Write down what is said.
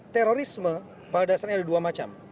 terorisme pada saat ini ada dua macam